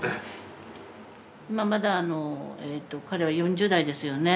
まだ彼は４０代ですよね。